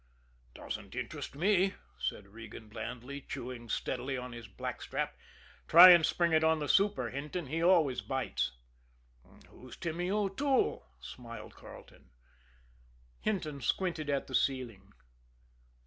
"Doesn't interest me," said Regan blandly, chewing steadily on his blackstrap. "Try and spring it on the super, Hinton. He always bites." "Who's Timmy O'Toole?" smiled Carleton. Hinton squinted at the ceiling.